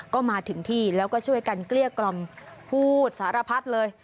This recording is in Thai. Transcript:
ก็มาถึงที่แล้วก็ช่วยกันเกลี้ยกล่อมพูดสารพัดเลย